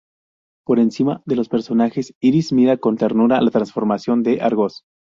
Por encima de los personajes, Iris mira con ternura la transformación de Argos.